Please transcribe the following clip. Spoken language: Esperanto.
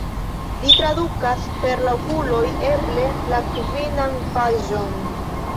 Li trakuras per la okuloj eble la kvinan paĝon.